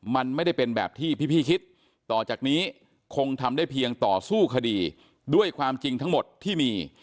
มันไม่ได้เป็นแบบที่พี่คิดต่อจากนี้คงทำได้เพียงต่อสู้คดีด้วยความจริงทั้งหมดที่มี